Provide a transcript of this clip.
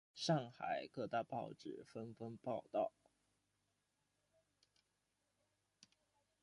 上海各大报纸纷纷报道。